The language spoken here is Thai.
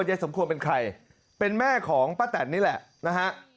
ยายสมควรเป็นใครเป็นแม่ของป้าแตนนี่แหละนะฮะ